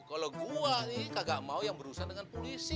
kalau gue nih kagak mau yang berurusan dengan polisi